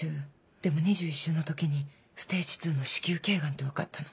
でも２１週の時にステージ２の子宮頸がんって分かったの。